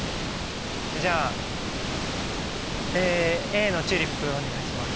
じゃあＡの『チューリップ』お願いします。